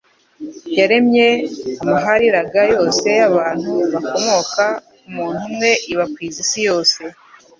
Yaremye amahariga yose y'abantu, bakomoka ku muntu umwe, ibakwiza isi yose.